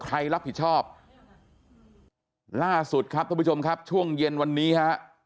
ใครรับผิดชอบล่าสุดครับท่านผู้ชมครับช่วงเย็นวันนี้ฮะ